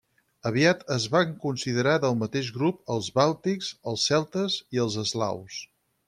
Aviat es van considerar del mateix grup els bàltics, els celtes i els eslaus.